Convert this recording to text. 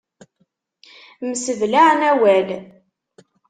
Mseblaɛen awal.